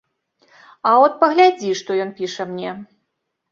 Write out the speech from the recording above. А от паглядзі, што ён піша мне.